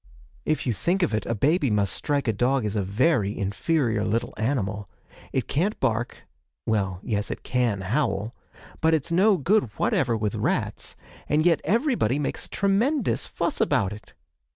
If you think of it, a baby must strike a dog as a very inferior little animal: it can't bark (well, yes, it can howl), but it's no good whatever with rats, and yet everybody makes a tremendous fuss about it!